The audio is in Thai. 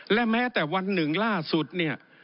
และแม้แต่วันหนึ่งล่าสุดเนี่ย